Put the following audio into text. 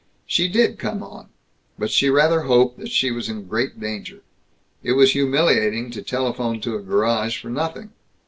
She did come on. But she rather hoped that she was in great danger. It was humiliating to telephone to a garage for nothing.